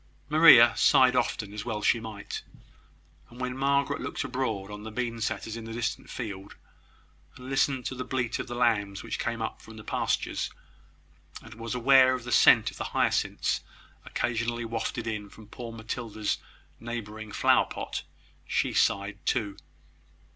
Maria sighed often, as she well might: and when Margaret looked abroad upon the bean setters in the distant field, and listened to the bleat of the lambs which came up from the pastures, and was aware of the scent of the hyacinths occasionally wafted in from poor Matilda's neighbouring flower plot, she sighed too.